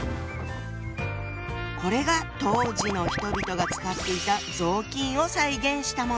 これが当時の人々が使っていた雑巾を再現したもの。